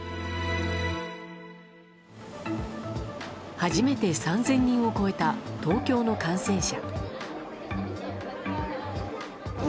初めて３０００人を超えた東京の感染者。